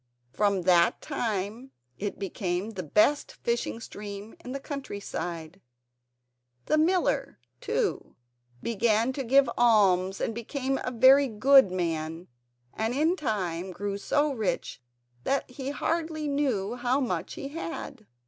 From that time it became the best fishing stream in the country side. The miller, too, began to give alms and became a very good man, and in time grew so rich that he hardly knew how much he had.